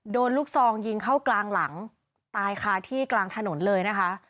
ลูกซองยิงเข้ากลางหลังตายคาที่กลางถนนเลยนะคะ